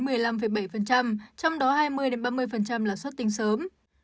trong đó hai mươi ba mươi là xuất tinh sớm